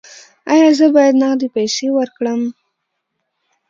ایا زه باید نغدې پیسې ورکړم؟